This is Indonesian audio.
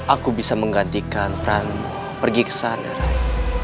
aku bisa menggantikan peranmu pergi ke sana